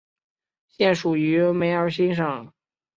现属于梅尔辛省。